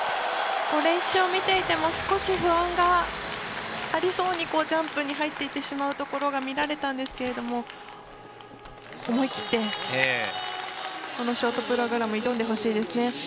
練習を見ていても少し不安がありそうにジャンプに入ってしまってるところが見られたんですけれども思い切ってこのショートプログラム挑んでほしいですね。